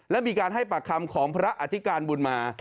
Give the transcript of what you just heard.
และมีการให้ปากคำของพระอธิการบุญมา